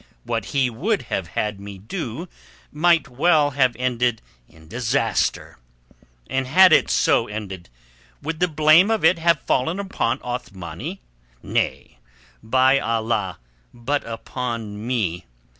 What he would have had me do might well have ended in disaster. Had it so ended, would the blame of it have fallen upon Othmani? Nay, by Allah! but upon me.